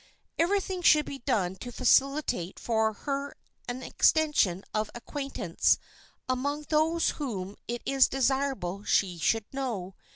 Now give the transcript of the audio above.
Everything should be done to facilitate for her an extension of acquaintance among those whom it is desirable she should know.